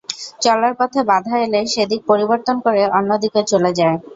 চলার পথে বাধা এলে সে দিক পরিবর্তন করে অন্য দিকে চলে যায়।